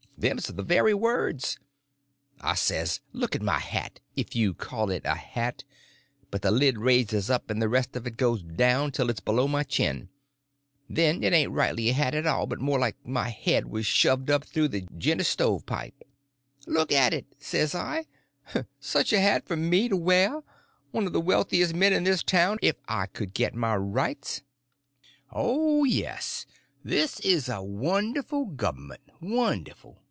Them's the very words. I says look at my hat—if you call it a hat—but the lid raises up and the rest of it goes down till it's below my chin, and then it ain't rightly a hat at all, but more like my head was shoved up through a jint o' stove pipe. Look at it, says I—such a hat for me to wear—one of the wealthiest men in this town if I could git my rights. "Oh, yes, this is a wonderful govment, wonderful.